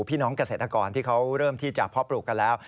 พี่น้องเกษตรกรที่เขาเริ่มที่จะเพาะปลูกกันแล้ว